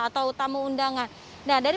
atau tamu undangan nah dari